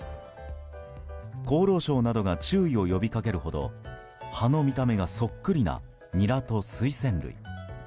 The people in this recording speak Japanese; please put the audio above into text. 厚労省などが注意を呼び掛けるほど葉の見た目がそっくりなニラとスイセン類。